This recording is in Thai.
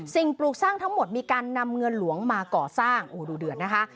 ปลูกสร้างทั้งหมดมีการนำเงินหลวงมาก่อสร้างโอ้ดูเดือดนะคะ